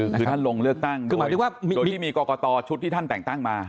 คือท่านลงเลือกตั้งคือหมายถึงว่าที่มีกรกตชุดที่ท่านแต่งตั้งมา